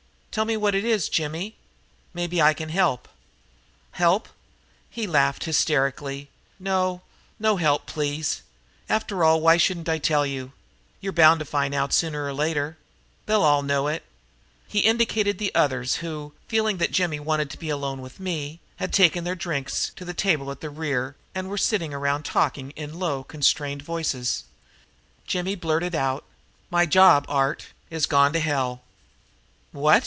"Tell me what it is, Jimmy. Maybe I can help." "Help?" He laughed hysterically. "No, no help please. After all, why shouldn't I tell you now? You're bound to find out sooner or later. They'll all know it." He indicated the others who, feeling that Jimmy wanted to be alone with me, had taken their drinks to a table in the rear and were sitting around talking in low, constrained voices. Jimmy blurted out: "My job, Art, is gone to hell!" "What!"